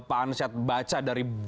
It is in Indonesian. apa yang pak ansyad baca dari begitu